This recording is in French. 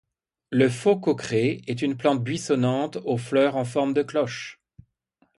Le faux-coqueret est une plante buissonnante aux fleurs en forme de cloche.